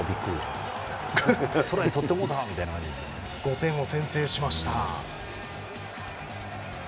５点を先制しました。